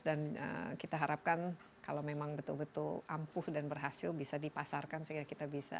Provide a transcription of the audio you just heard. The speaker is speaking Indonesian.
dan kita harapkan kalau memang betul betul ampuh dan berhasil bisa dipasarkan sehingga kita bisa